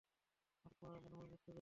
আমার পা মনে হয় মচকে গেছে।